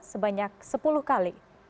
sebanyak sepuluh kali